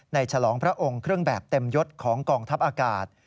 ฉลองพระองค์เครื่องแบบเต็มยศของกองทัพอากาศ